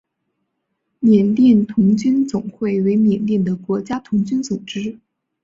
缅甸童军总会为缅甸的国家童军组织。